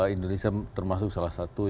indonesia termasuk salah satu